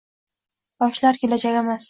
Yoshlar – kelajagimiz